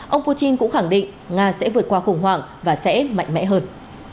ông putin cũng khẳng định nga sẽ vượt qua khủng hoảng và sẽ mạnh mẽ hơn